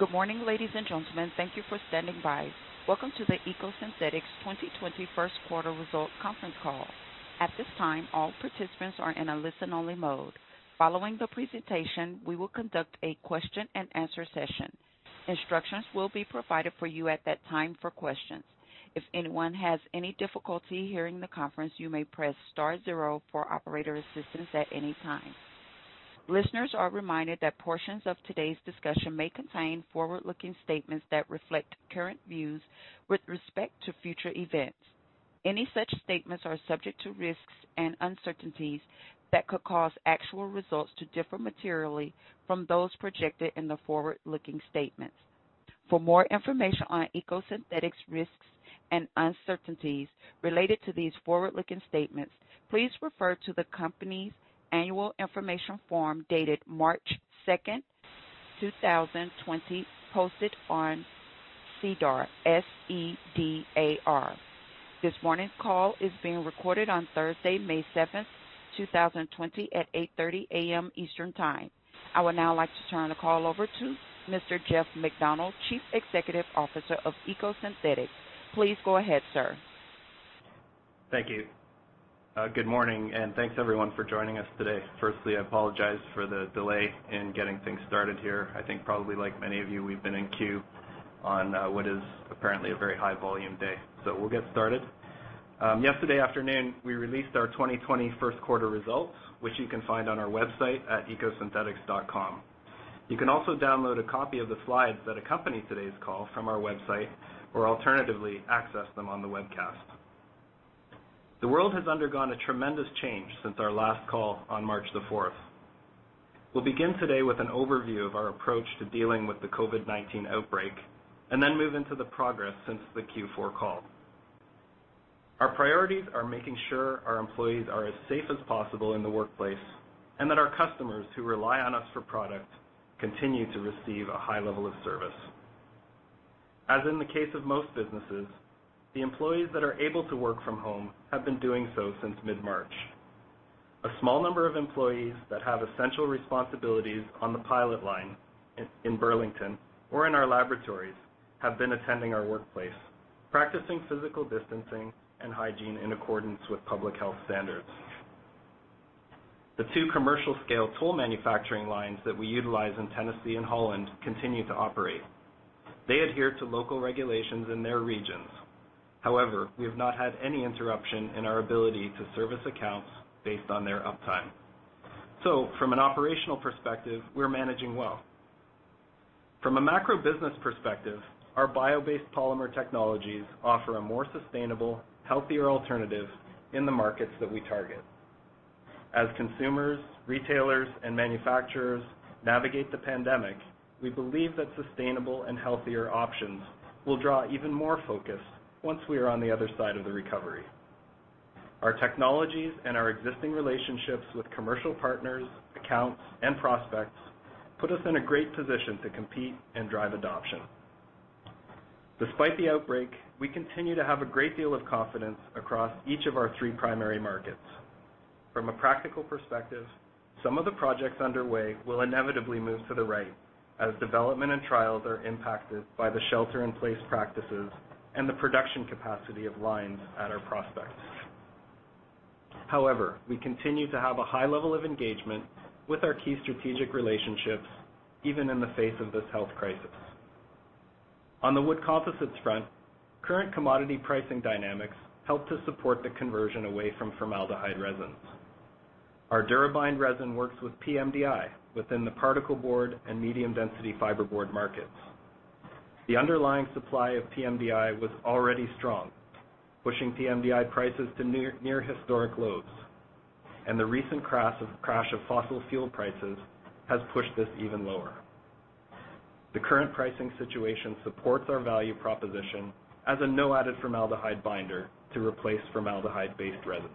Good morning, ladies and gentlemen. Thank you for standing by. Welcome to the EcoSynthetix 2020 first quarter result conference call. At this time, all participants are in a listen-only mode. Following the presentation, we will conduct a question and answer session. Instructions will be provided for you at that time for questions. If anyone has any difficulty hearing the conference, you may press star zero for operator assistance at any time. Listeners are reminded that portions of today's discussion may contain forward-looking statements that reflect current views with respect to future events. Any such statements are subject to risks and uncertainties that could cause actual results to differ materially from those projected in the forward-looking statements. For more information on EcoSynthetix risks and uncertainties related to these forward-looking statements, please refer to the company's annual information form, dated March 2nd, 2020, posted on SEDAR, S-E-D-A-R. This morning's call is being recorded on Thursday, May 7th, 2020, at 8:30 A.M. Eastern Time. I would now like to turn the call over to Mr. Jeff MacDonald, Chief Executive Officer of EcoSynthetix. Please go ahead, sir. Thank you. Good morning, and thanks, everyone, for joining us today. Firstly, I apologize for the delay in getting things started here. I think probably like many of you, we've been in queue on what is apparently a very high volume day. We'll get started. Yesterday afternoon, we released our 2020 first quarter results, which you can find on our website at ecosynthetix.com. You can also download a copy of the slides that accompany today's call from our website, or alternatively, access them on the webcast. The world has undergone a tremendous change since our last call on March the 4th. We'll begin today with an overview of our approach to dealing with the COVID-19 outbreak and then move into the progress since the Q4 call. Our priorities are making sure our employees are as safe as possible in the workplace, and that our customers who rely on us for product continue to receive a high level of service. As in the case of most businesses, the employees that are able to work from home have been doing so since mid-March. A small number of employees that have essential responsibilities on the pilot line in Burlington or in our laboratories have been attending our workplace, practicing physical distancing and hygiene in accordance with public health standards. The two commercial scale toll manufacturing lines that we utilize in Tennessee and Holland continue to operate. They adhere to local regulations in their regions. However, we have not had any interruption in our ability to service accounts based on their uptime. From an operational perspective, we're managing well. From a macro business perspective, our bio-based polymer technologies offer a more sustainable, healthier alternative in the markets that we target. As consumers, retailers, and manufacturers navigate the pandemic, we believe that sustainable and healthier options will draw even more focus once we are on the other side of the recovery. Our technologies and our existing relationships with commercial partners, accounts, and prospects put us in a great position to compete and drive adoption. Despite the outbreak, we continue to have a great deal of confidence across each of our three primary markets. From a practical perspective, some of the projects underway will inevitably move to the right as development and trials are impacted by the shelter in place practices and the production capacity of lines at our prospects. We continue to have a high level of engagement with our key strategic relationships, even in the face of this health crisis. On the wood composites front, current commodity pricing dynamics help to support the conversion away from formaldehyde resins. Our DuraBind resin works with pMDI within the particleboard and medium-density fiberboard markets. The underlying supply of pMDI was already strong, pushing pMDI prices to near historic lows, and the recent crash of fossil fuel prices has pushed this even lower. The current pricing situation supports our value proposition as a no added formaldehyde binder to replace formaldehyde-based resins.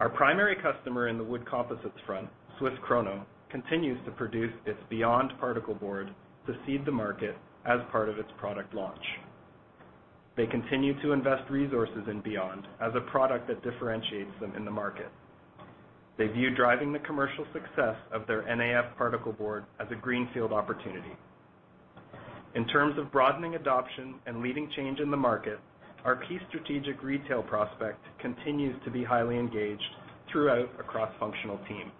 Our primary customer in the wood composites front, SWISS KRONO, continues to produce its BE.YOND Particleboard to seed the market as part of its product launch. They continue to invest resources in BE.YOND as a product that differentiates them in the market. They view driving the commercial success of their NAF particleboard as a greenfield opportunity. In terms of broadening adoption and leading change in the market, our key strategic retail prospect continues to be highly engaged throughout a cross-functional team.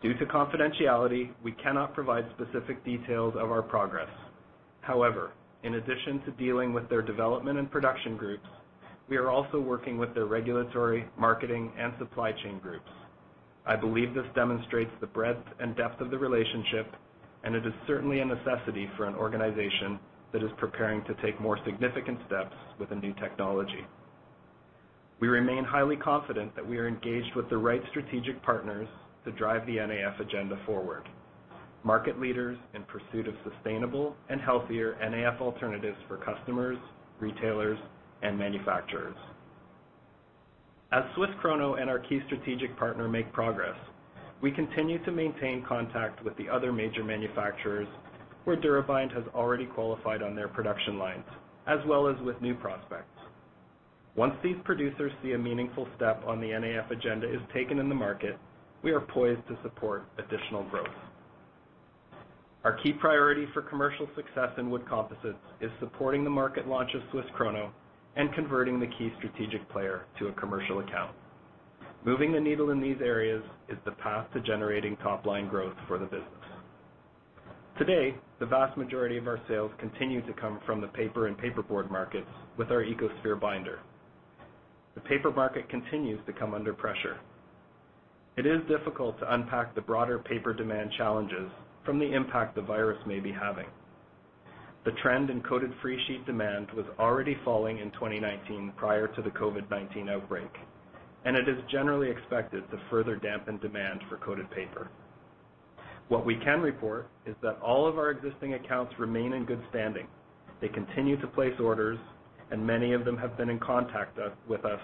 Due to confidentiality, we cannot provide specific details of our progress. However, in addition to dealing with their development and production groups, we are also working with their regulatory, marketing, and supply chain groups. I believe this demonstrates the breadth and depth of the relationship, and it is certainly a necessity for an organization that is preparing to take more significant steps with a new technology. We remain highly confident that we are engaged with the right strategic partners to drive the NAF agenda forward, market leaders in pursuit of sustainable and healthier NAF alternatives for customers, retailers, and manufacturers. As SWISS KRONO and our key strategic partner make progress, we continue to maintain contact with the other major manufacturers where DuraBind has already qualified on their production lines, as well as with new prospects. Once these producers see a meaningful step on the NAF agenda is taken in the market, we are poised to support additional growth. Our key priority for commercial success in wood composites is supporting the market launch of SWISS KRONO and converting the key strategic player to a commercial account. Moving the needle in these areas is the path to generating top-line growth for the business. Today, the vast majority of our sales continue to come from the paper and paperboard markets with our EcoSphere binder. The paper market continues to come under pressure. It is difficult to unpack the broader paper demand challenges from the impact the virus may be having. The trend in coated free sheet demand was already falling in 2019 prior to the COVID-19 outbreak, and it is generally expected to further dampen demand for coated paper. What we can report is that all of our existing accounts remain in good standing. They continue to place orders, and many of them have been in contact with us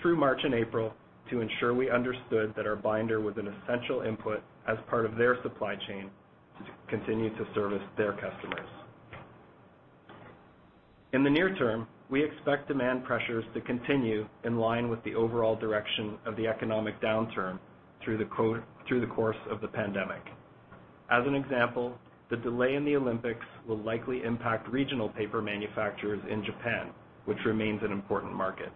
through March and April to ensure we understood that our binder was an essential input as part of their supply chain to continue to service their customers. In the near term, we expect demand pressures to continue in line with the overall direction of the economic downturn through the course of the pandemic. As an example, the delay in the Olympics will likely impact regional paper manufacturers in Japan, which remains an important market.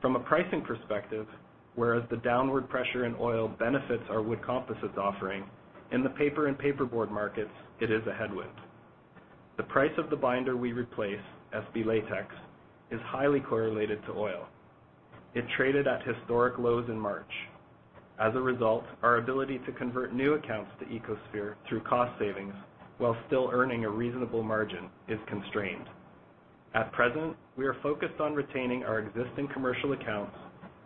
From a pricing perspective, whereas the downward pressure in oil benefits our wood composites offering, in the paper and paperboard markets, it is a headwind. The price of the binder we replace, SB latex, is highly correlated to oil. It traded at historic lows in March. As a result, our ability to convert new accounts to EcoSphere through cost savings, while still earning a reasonable margin, is constrained. At present, we are focused on retaining our existing commercial accounts,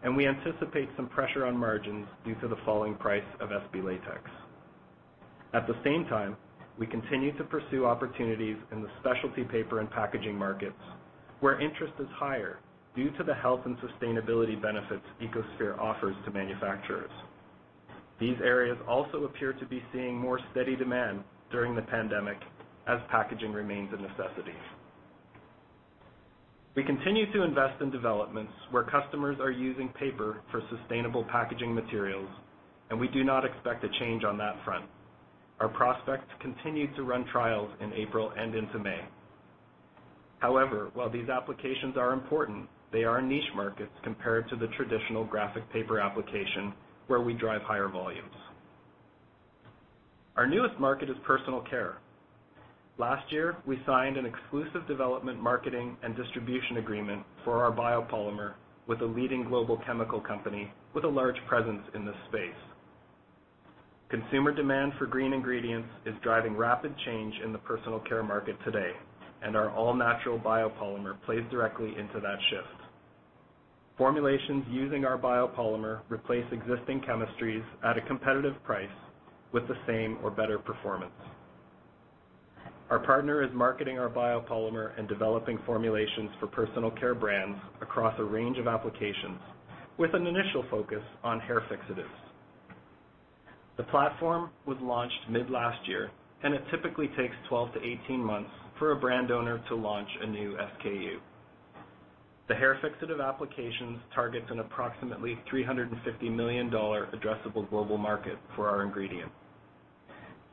and we anticipate some pressure on margins due to the falling price of SB latex. At the same time, we continue to pursue opportunities in the specialty paper and packaging markets, where interest is higher due to the health and sustainability benefits EcoSphere offers to manufacturers. These areas also appear to be seeing more steady demand during the pandemic as packaging remains a necessity. We continue to invest in developments where customers are using paper for sustainable packaging materials, and we do not expect a change on that front. Our prospects continued to run trials in April and into May. However, while these applications are important, they are niche markets compared to the traditional graphic paper application, where we drive higher volumes. Our newest market is personal care. Last year, we signed an exclusive development, marketing, and distribution agreement for our biopolymer with a leading global chemical company with a large presence in this space. Consumer demand for green ingredients is driving rapid change in the personal care market today, and our all-natural biopolymer plays directly into that shift. Formulations using our biopolymer replace existing chemistries at a competitive price with the same or better performance. Our partner is marketing our biopolymer and developing formulations for personal care brands across a range of applications with an initial focus on hair fixatives. The platform was launched mid-last year. It typically takes 12-18 months for a brand owner to launch a new SKU. The hair fixative applications targets an approximately 350 million dollar addressable global market for our ingredient.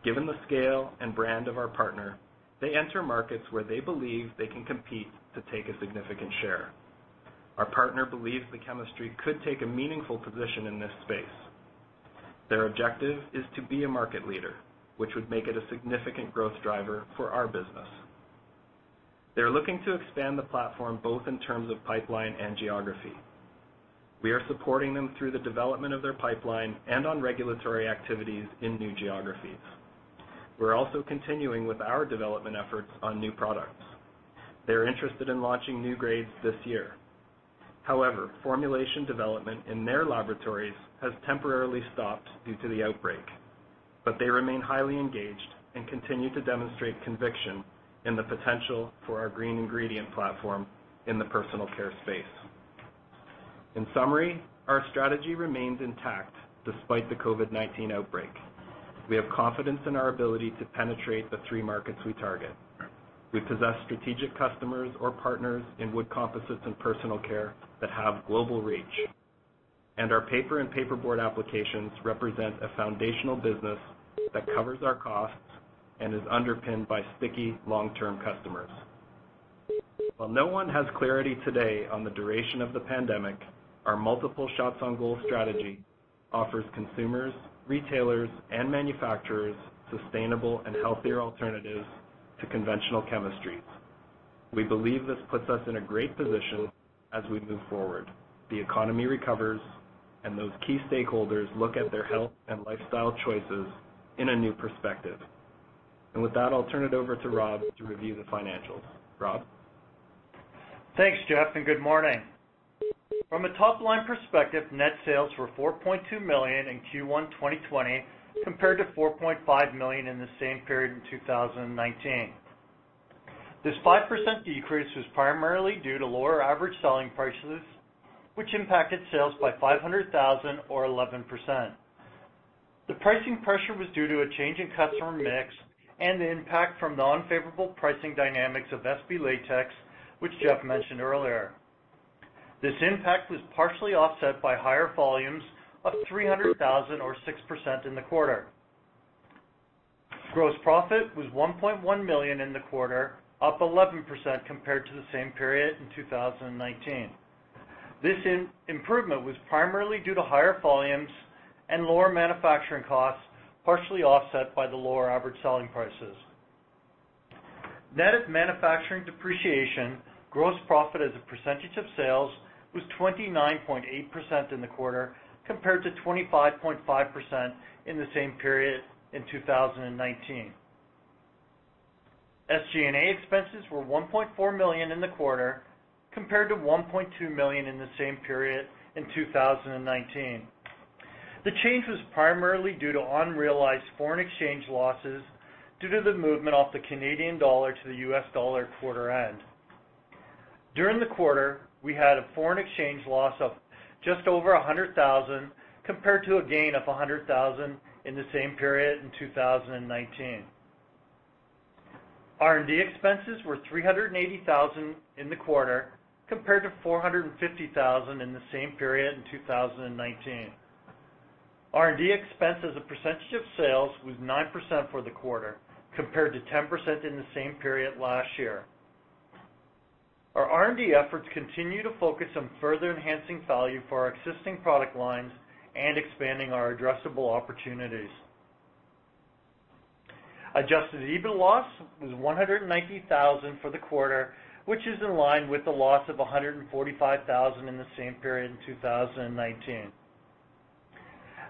Given the scale and brand of our partner, they enter markets where they believe they can compete to take a significant share. Our partner believes the chemistry could take a meaningful position in this space. Their objective is to be a market leader, which would make it a significant growth driver for our business. They're looking to expand the platform both in terms of pipeline and geography. We are supporting them through the development of their pipeline and on regulatory activities in new geographies. We're also continuing with our development efforts on new products. They're interested in launching new grades this year. Formulation development in their laboratories has temporarily stopped due to the outbreak, but they remain highly engaged and continue to demonstrate conviction in the potential for our green ingredient platform in the personal care space. In summary, our strategy remains intact despite the COVID-19 outbreak. We have confidence in our ability to penetrate the three markets we target. We possess strategic customers or partners in wood composites and personal care that have global reach. Our paper and paperboard applications represent a foundational business that covers our costs and is underpinned by sticky, long-term customers. While no one has clarity today on the duration of the pandemic, our multiple shots on goal strategy offers consumers, retailers, and manufacturers sustainable and healthier alternatives to conventional chemistries. We believe this puts us in a great position as we move forward, the economy recovers, and those key stakeholders look at their health and lifestyle choices in a new perspective. With that, I'll turn it over to Rob to review the financials. Rob? Thanks, Jeff. Good morning. From a top-line perspective, net sales were 4.2 million in Q1 2020 compared to 4.5 million in the same period in 2019. This 5% decrease was primarily due to lower average selling prices, which impacted sales by 500,000 or 11%. The pricing pressure was due to a change in customer mix and the impact from the unfavorable pricing dynamics of SB latex, which Jeff mentioned earlier. This impact was partially offset by higher volumes of 300,000 or 6% in the quarter. Gross profit was 1.1 million in the quarter, up 11% compared to the same period in 2019. This improvement was primarily due to higher volumes and lower manufacturing costs, partially offset by the lower average selling prices. Net of manufacturing depreciation, gross profit as a percentage of sales was 29.8% in the quarter compared to 25.5% in the same period in 2019. SG&A expenses were 1.4 million in the quarter compared to 1.2 million in the same period in 2019. The change was primarily due to unrealized foreign exchange losses due to the movement of the Canadian dollar to the U.S. dollar at quarter-end. During the quarter, we had a foreign exchange loss of just over 100,000 compared to a gain of 100,000 in the same period in 2019. R&D expenses were 380,000 in the quarter compared to 450,000 in the same period in 2019. R&D expense as a percentage of sales was 9% for the quarter compared to 10% in the same period last year. Our R&D efforts continue to focus on further enhancing value for our existing product lines and expanding our addressable opportunities. Adjusted EBIT loss was 190,000 for the quarter, which is in line with the loss of 145,000 in the same period in 2019.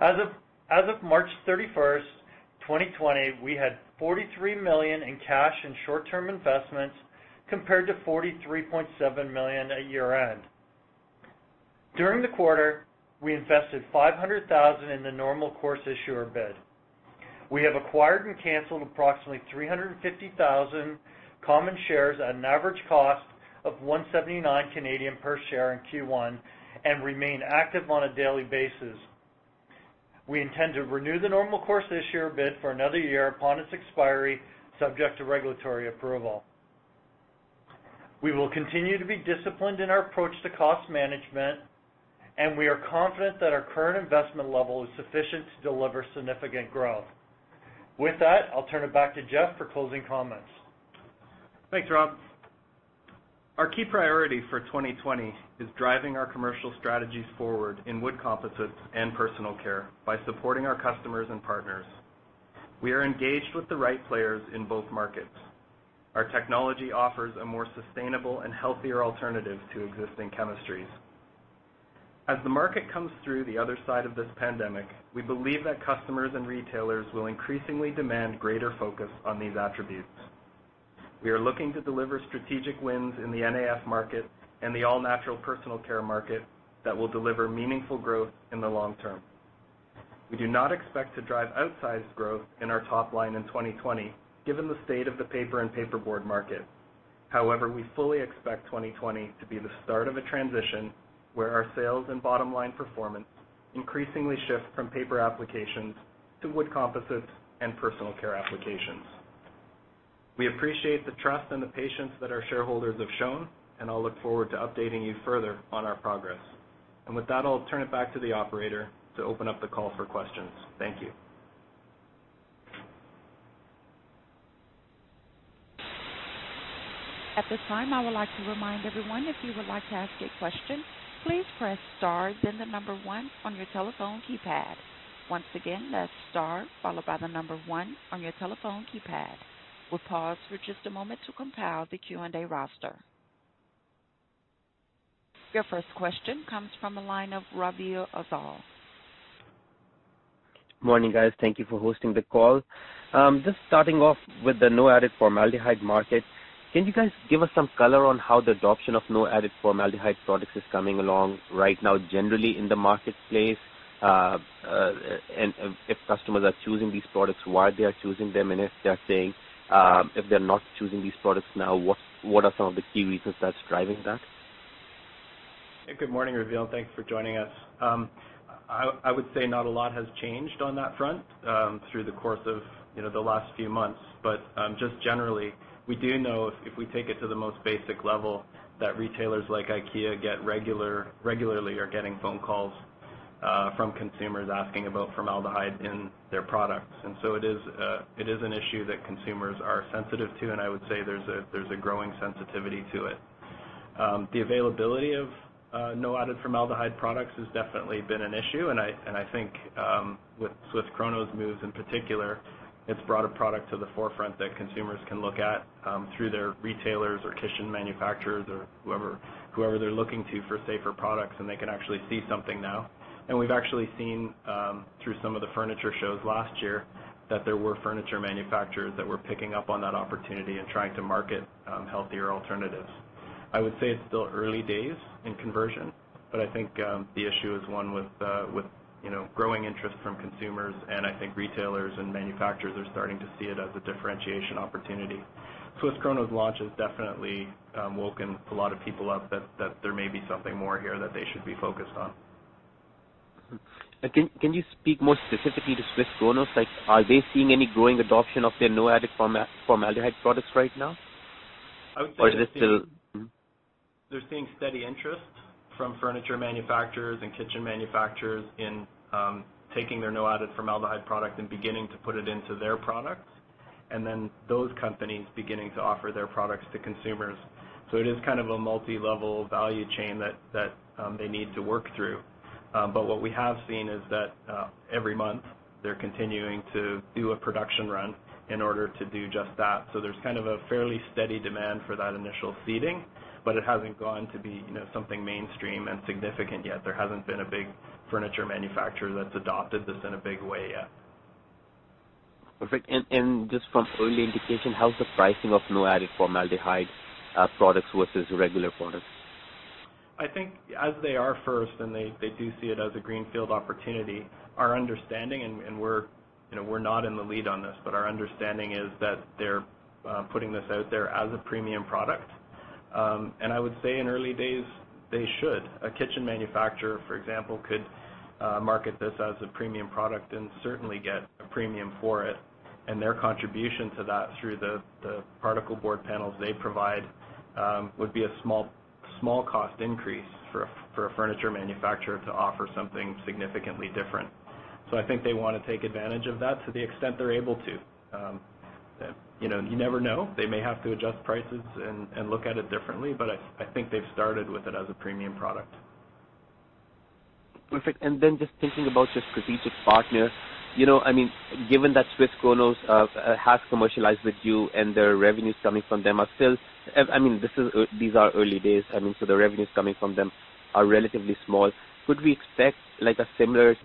As of March 31st, 2020, we had 43 million in cash and short-term investments, compared to 43.7 million at year end. During the quarter, we invested 500,000 in the Normal Course Issuer Bid. We have acquired and canceled approximately 350,000 common shares at an average cost of 1.79 per share in Q1 and remain active on a daily basis. We intend to renew the Normal Course Issuer Bid for one year upon its expiry, subject to regulatory approval. We will continue to be disciplined in our approach to cost management. We are confident that our current investment level is sufficient to deliver significant growth. With that, I'll turn it back to Jeff for closing comments. Thanks, Rob. Our key priority for 2020 is driving our commercial strategies forward in wood composites and personal care by supporting our customers and partners. We are engaged with the right players in both markets. Our technology offers a more sustainable and healthier alternative to existing chemistries. As the market comes through the other side of this pandemic, we believe that customers and retailers will increasingly demand greater focus on these attributes. We are looking to deliver strategic wins in the NAF market and the all-natural personal care market that will deliver meaningful growth in the long term. We do not expect to drive outsized growth in our top line in 2020, given the state of the paper and paperboard market. However, we fully expect 2020 to be the start of a transition where our sales and bottom-line performance increasingly shift from paper applications to wood composites and personal care applications. We appreciate the trust and the patience that our shareholders have shown, and I'll look forward to updating you further on our progress. With that, I'll turn it back to the operator to open up the call for questions. Thank you. At this time, I would like to remind everyone if you would like to ask a question, please press star then the number one on your telephone keypad. Once again, that's star followed by the number one on your telephone keypad. We'll pause for just a moment to compile the Q&A roster. Your first question comes from the line of Raveel Afzaal. Morning, guys. Thank you for hosting the call. Just starting off with the no added formaldehyde market. Can you guys give us some color on how the adoption of no added formaldehyde products is coming along right now, generally in the marketplace? If customers are choosing these products, why they are choosing them and if they're not choosing these products now, what are some of the key reasons that's driving that? Good morning, Raveel. Thanks for joining us. I would say not a lot has changed on that front through the course of the last few months. Just generally, we do know if we take it to the most basic level, that retailers like IKEA regularly are getting phone calls from consumers asking about formaldehyde in their products. It is an issue that consumers are sensitive to and I would say there's a growing sensitivity to it. The availability of no added formaldehyde products has definitely been an issue, and I think with SWISS KRONO's moves in particular, it's brought a product to the forefront that consumers can look at through their retailers or kitchen manufacturers or whoever they're looking to for safer products, and they can actually see something now. We've actually seen through some of the furniture shows last year that there were furniture manufacturers that were picking up on that opportunity and trying to market healthier alternatives. I would say it's still early days in conversion, but I think the issue is one with growing interest from consumers, and I think retailers and manufacturers are starting to see it as a differentiation opportunity. SWISS KRONO's launch has definitely woken a lot of people up that there may be something more here that they should be focused on. Can you speak more specifically to SWISS KRONO? Are they seeing any growing adoption of their no added formaldehyde products right now? I would say they're seeing steady interest from furniture manufacturers and kitchen manufacturers in taking their no added formaldehyde product and beginning to put it into their products, and then those companies beginning to offer their products to consumers. It is kind of a multilevel value chain that they need to work through. What we have seen is that every month they're continuing to do a production run in order to do just that. There's kind of a fairly steady demand for that initial seeding, but it hasn't gotten to be something mainstream and significant yet. There hasn't been a big furniture manufacturer that's adopted this in a big way yet. Perfect. Just from early indication, how's the pricing of no added formaldehyde products versus regular products? I think as they are first, they do see it as a greenfield opportunity, our understanding, and we're not in the lead on this, but our understanding is that they're putting this out there as a premium product. I would say in the early days, they should. A kitchen manufacturer, for example, could market this as a premium product and certainly get a premium for it. Their contribution to that through the particleboard panels they provide would be a small cost increase for a furniture manufacturer to offer something significantly different. I think they want to take advantage of that to the extent they're able to. You never know. They may have to adjust prices and look at it differently, but I think they've started with it as a premium product. Perfect. Then just thinking about your strategic partner, given that SWISS KRONO has commercialized with you and- these are early days, so the revenues coming from them are relatively small. Could we expect a similar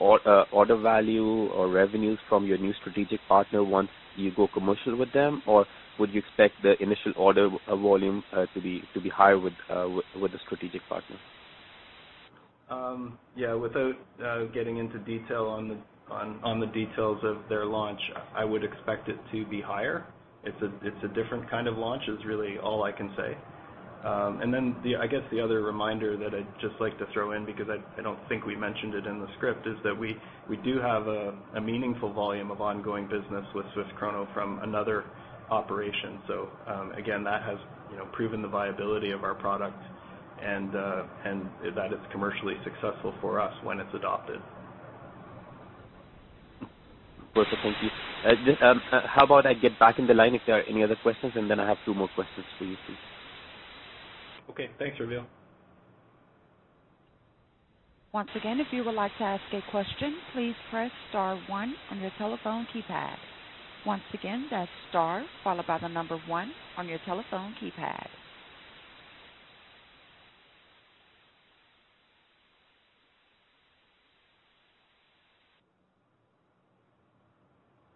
order value or revenues from your new strategic partner once you go commercial with them, or would you expect the initial order volume to be higher with the strategic partner? Yeah, without getting into detail on the details of their launch, I would expect it to be higher. It's a different kind of launch, is really all I can say. I guess the other reminder that I'd just like to throw in, because I don't think we mentioned it in the script, is that we do have a meaningful volume of ongoing business with SWISS KRONO from another operation. Again, that has proven the viability of our product, and that it's commercially successful for us when it's adopted. Perfect. Thank you. How about I get back in the line if there are any other questions, and then I have two more questions for you, please. Okay. Thanks, Raveel. Once again, if you would like to ask a question, please press star one on your telephone keypad. Once again, that's star followed by the number one on your telephone keypad.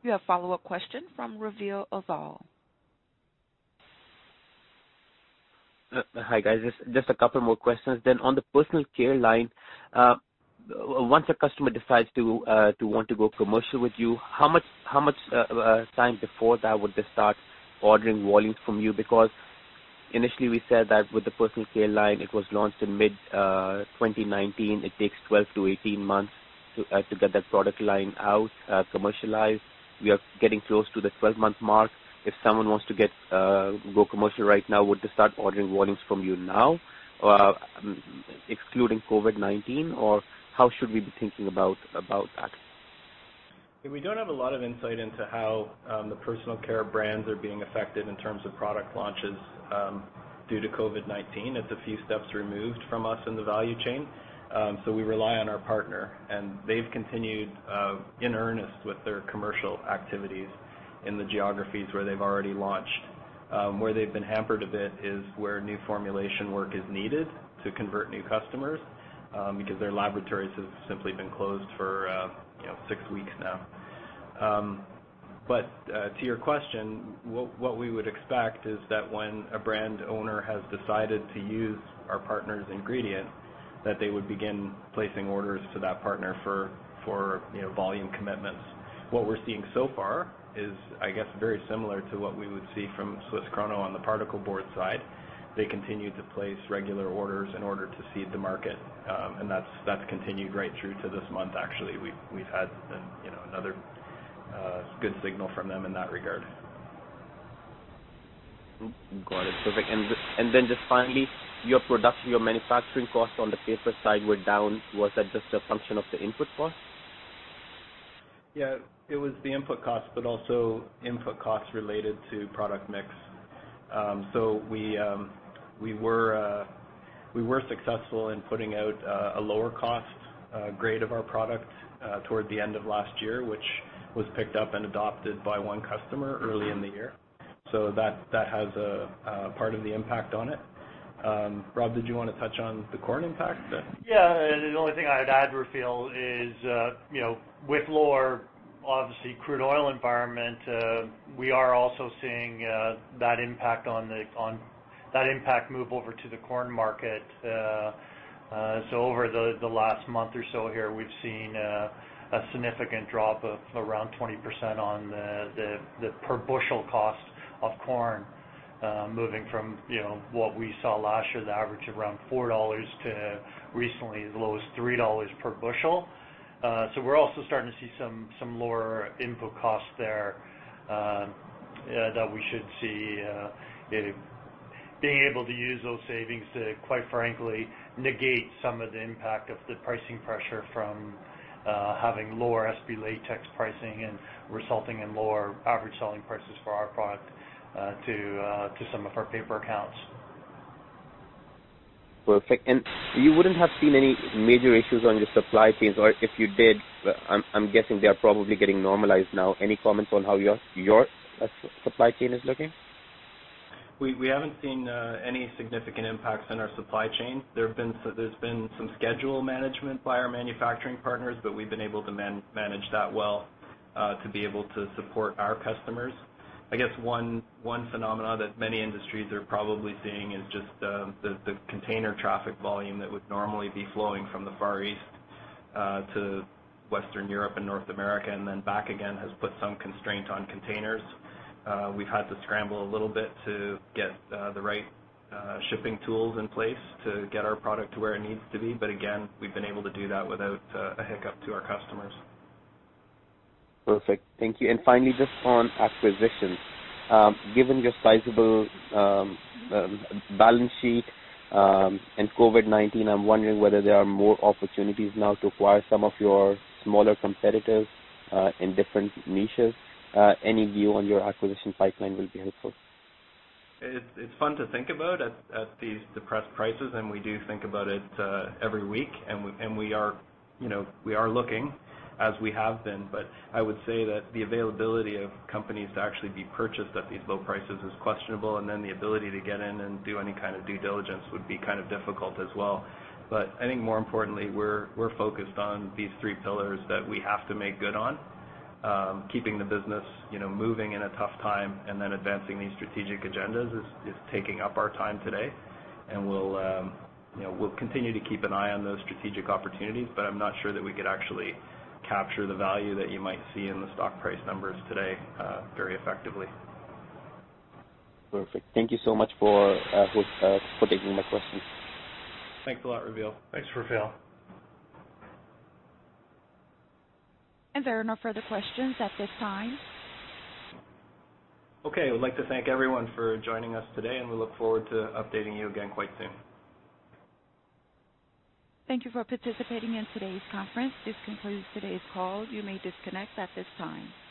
We have a follow-up question from Raveel Afzaal. Hi, guys. Just a couple more questions. On the personal care line, once a customer decides to want to go commercial with you, how much time before that would they start ordering volumes from you? Initially we said that with the personal care line, it was launched in mid 2019. It takes 12-18 months to get that product line out, commercialized. We are getting close to the 12-month mark. If someone wants to go commercial right now, would they start ordering volumes from you now, excluding COVID-19, or how should we be thinking about that? We don't have a lot of insight into how the personal care brands are being affected in terms of product launches due to COVID-19. It's a few steps removed from us in the value chain. We rely on our partner, and they've continued in earnest with their commercial activities in the geographies where they've already launched. Where they've been hampered a bit is where new formulation work is needed to convert new customers, because their laboratories have simply been closed for six weeks now. To your question, what we would expect is that when a brand owner has decided to use our partner's ingredient, that they would begin placing orders to that partner for volume commitments. What we're seeing so far is, I guess, very similar to what we would see from SWISS KRONO on the particle board side. They continue to place regular orders in order to seed the market, and that's continued right through to this month, actually. We've had another good signal from them in that regard. Got it. Perfect. Just finally, your production, your manufacturing costs on the paper side were down. Was that just a function of the input cost? Yeah. It was the input cost, but also input costs related to product mix. We were successful in putting out a lower-cost grade of our product toward the end of last year, which was picked up and adopted by one customer early in the year. That has a part of the impact on it. Rob, did you want to touch on the corn impact? Yeah. The only thing I'd add, Raveel, is with lower, obviously, crude oil environment, we are also seeing that impact move over to the corn market. Over the last month or so here, we've seen a significant drop of around 20% on the per-bushel cost of corn. Moving from what we saw last year, the average around 4 dollars to recently as low as 3 dollars per bushel. We're also starting to see some lower input costs there that we should see being able to use those savings to, quite frankly, negate some of the impact of the pricing pressure from having lower SB latex pricing and resulting in lower average selling prices for our product to some of our paper accounts. Perfect. You wouldn't have seen any major issues on your supply chains, or if you did, I'm guessing they are probably getting normalized now. Any comments on how your supply chain is looking? We haven't seen any significant impacts on our supply chain. There's been some schedule management by our manufacturing partners, but we've been able to manage that well, to be able to support our customers. I guess one phenomenon that many industries are probably seeing is just the container traffic volume that would normally be flowing from the Far East to Western Europe and North America and then back again has put some constraint on containers. We've had to scramble a little bit to get the right shipping tools in place to get our product to where it needs to be. Again, we've been able to do that without a hiccup to our customers. Perfect. Thank you. Finally, just on acquisitions. Given your sizable balance sheet and COVID-19, I'm wondering whether there are more opportunities now to acquire some of your smaller competitors in different niches. Any view on your acquisition pipeline will be helpful. It's fun to think about at these depressed prices, and we do think about it every week. We are looking, as we have been, but I would say that the availability of companies to actually be purchased at these low prices is questionable, and then the ability to get in and do any kind of due diligence would be kind of difficult as well. I think more importantly, we're focused on these three pillars that we have to make good on. Keeping the business moving in a tough time and then advancing these strategic agendas is taking up our time today. We'll continue to keep an eye on those strategic opportunities, but I'm not sure that we could actually capture the value that you might see in the stock price numbers today very effectively. Perfect. Thank you so much for taking my questions. Thanks a lot, Raveel. Thanks, Raveel. There are no further questions at this time. Okay. I would like to thank everyone for joining us today. We look forward to updating you again quite soon. Thank you for participating in today's conference. This concludes today's call. You may disconnect at this time.